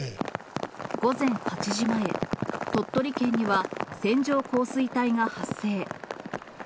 午前８時前、鳥取県には線状降水帯が発生。